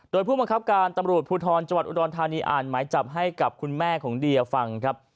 โดยผู้บังคับการตำรวจภูทรจังหวัดอุดรธานีอ่านหมายจับให้กับคุณแม่ของเดียฟังครับ